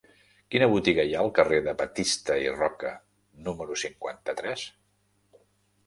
Quina botiga hi ha al carrer de Batista i Roca número cinquanta-tres?